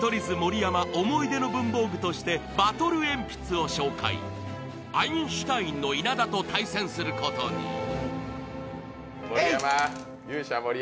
図盛山思い出の文房具としてバトルえんぴつを紹介アインシュタインの稲田と対戦することにえいっゆうしゃ